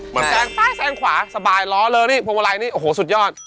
แสงฝ้าแสงขวาสบายล้อเลอนี่พวงวะลายนี่โอ้โหสุดยอด